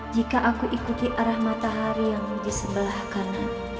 jika aku ikuti arah matahari yang disebelah kanan